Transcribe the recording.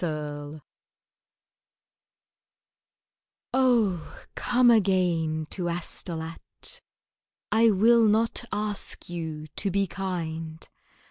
ELAINE OH, come again to Astolat! I will not ask you to be kind.